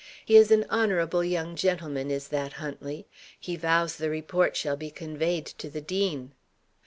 He is an honourable young gentleman, is that Huntley. He vows the report shall be conveyed to the dean."